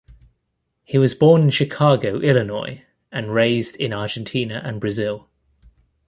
He was born in Chicago, Illinois, and raised in Argentina and Brazil.